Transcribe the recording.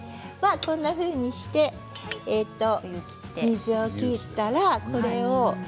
こんなふうにして水を切ったらこれを。